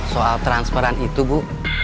soal transferan itu bu